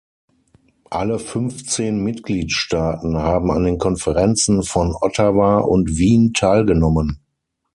Alle fünfzehn Mitgliedstaaten haben an den Konferenzen von Ottawa und Wien teilgenommen.